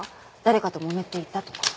誰かともめていたとか。